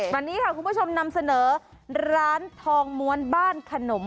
วันนี้ค่ะคุณผู้ชมนำเสนอร้านทองม้วนบ้านขนม